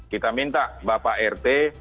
kita minta bapak rt